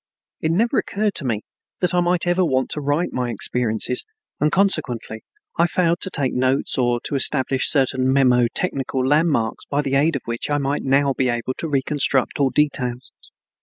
It never occurred to me that I might ever want to write my experiences, and consequently I failed to take notes or to establish certain mnemo technical landmarks by the aid of which I might now be able to reconstruct all details.